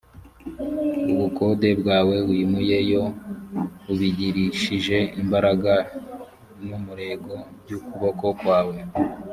ubukonde bwawe, wimuyeyo ubigirishije imbaraga n’umurego by’ukuboko kwawe!